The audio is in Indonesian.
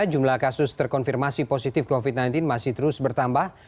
jumlah kasus terkonfirmasi positif covid sembilan belas masih terus bertambah